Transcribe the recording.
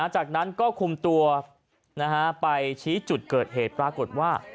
จากนั้นก็คุมตัวไปชี้จุดเกิดเหตุปรากฏว่า